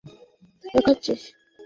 তুই আমাকে অহংকার দেখাচ্ছিস?